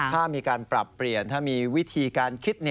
ถ้ามีการปรับเปลี่ยนถ้ามีวิธีการคิด